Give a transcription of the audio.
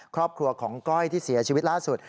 ครอบครัวของก้อยที่เสียชีวิตล่าสุด